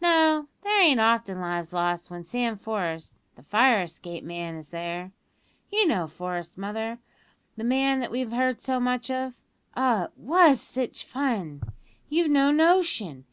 "No; there ain't often lives lost when Sam Forest, the fire escape man, is there. You know Forest, mother, the man that we've heard so much of? Ah, it was sitch fun! You've no notion!